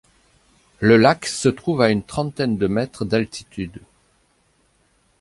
Le lac se trouve à une trentaine de mètres d'altitude.